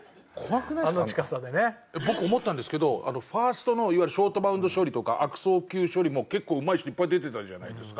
僕思ったんですけどファーストのいわゆるショートバウンド処理とか悪送球処理も結構うまい人いっぱい出てたじゃないですか。